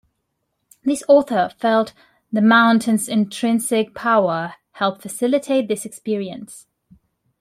This author felt the mountain's intrinsic power help facilitate this experience.